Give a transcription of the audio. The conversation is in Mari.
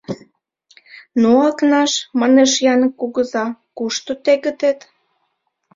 — Ну, Акнаш, — манеш Янык кугыза, — кушто тегытет?..